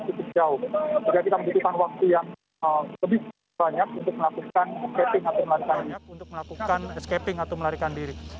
jadi kita membutuhkan waktu yang lebih banyak untuk melakukan escaping atau melarikan diri